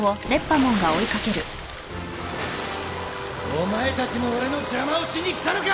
お前たちも俺の邪魔をしに来たのか！